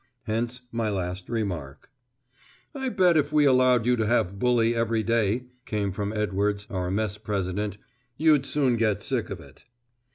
Hence my last remark. "I bet if we allowed you to have bully every day," came from Edwards, our Mess president, "you'd soon get sick of it."